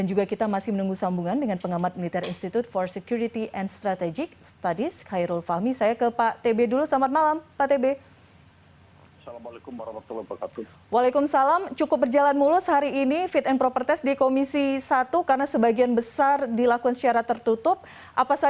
jenderal andika perkasa